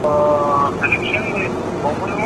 ډیپلوماټان د نړیوال عدالت لپاره څه وړاندیز کوي؟